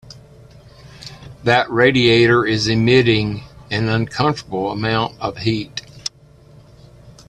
That radiator is emitting an uncomfortable amount of heat.